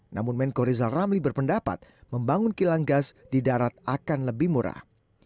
namun menko rizal ramli berpendapat membangun kilang gas di darat akan lebih murah